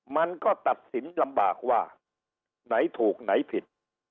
มันก็ตัดสินลำบากว่าไหนถูกไหนผิด